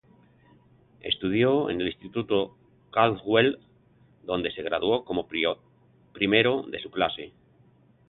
Estudió en el Instituto Caldwell, donde se graduó como el primero de su clase.